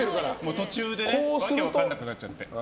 途中で訳分かんなくなっちゃって。